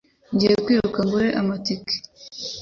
Ngiye kwiruka ngura amatike.